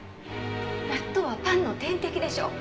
納豆はパンの天敵でしょ。